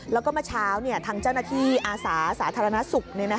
แล้วก็เมื่อเช้าทางเจ้าหน้าที่อาสาสาธารณสุข